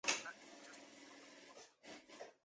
内射模相似性质的模。